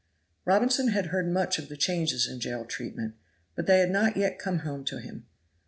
Robinson had heard much of the changes in jail treatment, but they had not yet come home to him.